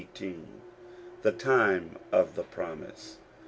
1 1 5 THE TIME OF THE PROMISE.